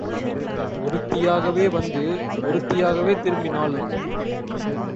ஒருத்தியாகவே வந்து ஒருத்தியாகவே திரும்பினாள்.